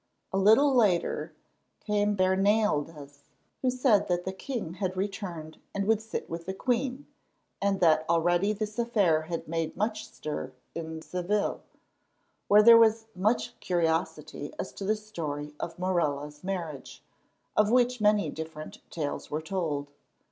A little later came Bernaldez, who said that the king had returned and would sit with the queen, and that already this affair had made much stir in Seville, where there was much curiosity as to the story of Morella's marriage, of which many different tales were told.